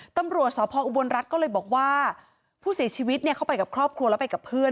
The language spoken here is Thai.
ตำรวจสพออุบลรัฐก็เลยบอกว่าผู้เสียชีวิตเข้าไปกับครอบครัวแล้วไปกับเพื่อน